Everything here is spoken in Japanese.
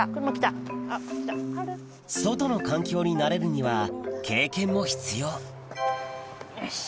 外の環境になれるには経験も必要